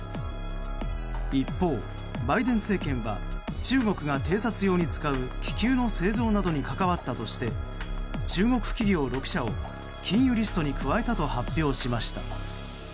一方、バイデン政権は中国が偵察用に使う気球の製造などに関わったとして中国企業６社を禁輸リストに加えたと発表しました。